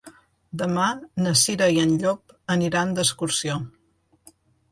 Demà na Cira i en Llop aniran d'excursió.